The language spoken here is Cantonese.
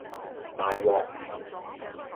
大鑊